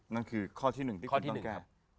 นั่นคือข้อที่๑ที่คุณต้องแก้